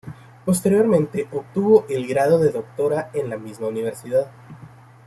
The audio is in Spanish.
Posteriormente obtuvo el grado de doctora en la misma universidad.